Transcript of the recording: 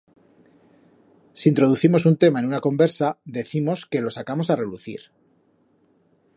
Si introducimos un tema en una conversa, decimos que lo sacamos a relucir.